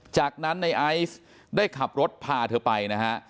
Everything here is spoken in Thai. จากนั้นไอซ์ได้ขับรถพาเธอไป